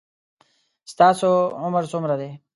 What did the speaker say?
ستاسو عمر څومره ده